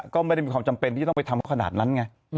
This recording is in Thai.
ก็ไม่ได้มีความจำเป็นที่ต้องไปทำเขาขนาดนั้นไง